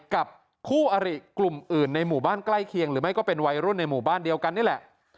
กับคู่อริกลุ่มอื่นในหมู่บ้านใกล้เคียงหรือไม่ก็เป็นวัยรุ่นในหมู่บ้านเดียวกันนี่แหละ